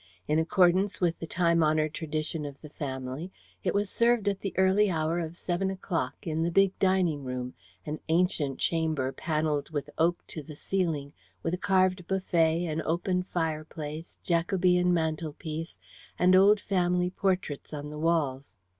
In accordance with the time honoured tradition of the family, it was served at the early hour of seven o'clock in the big dining room, an ancient chamber panelled with oak to the ceiling, with a carved buffet, an open fireplace, Jacobean mantelpiece, and old family portraits on the walls.